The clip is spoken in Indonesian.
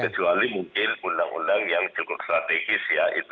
terkecuali mungkin undang undang yang cukup strategis ya itu